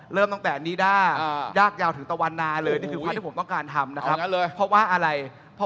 เริ่มตั้งแต่นี้ด้ายากยาวถึงตะวันนาเลย